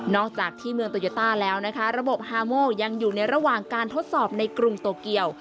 จากที่เมืองโตโยต้าแล้วนะคะระบบฮาโมยังอยู่ในระหว่างการทดสอบในกรุงโตเกียว